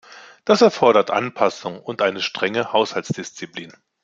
Das erfordert Anpassung und eine strenge Haushaltsdisziplin.